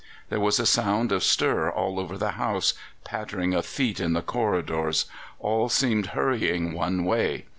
There was a sound of stir all over the house, pattering of feet in the corridors. All seemed hurrying one way.